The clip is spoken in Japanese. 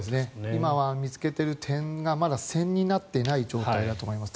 今は見つけている点がまだ線になっていない状態だと思います。